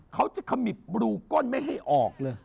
เขาจะขมิบรูก้นไม่ให้ออกเลย